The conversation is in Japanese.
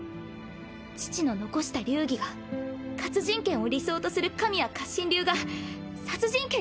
父の残した流儀が活人剣を理想とする神谷活心流が殺人剣に汚されて！